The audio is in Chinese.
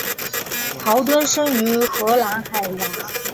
豪敦生于荷兰海牙。